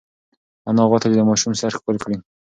انا غوښتل چې د ماشوم سر ښکل کړي.